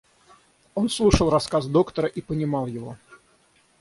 Он слушал рассказ доктора и понимал его.